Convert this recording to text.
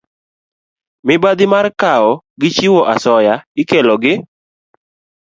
Mibadhi mar kawo gi chiwo asoya ikelo gi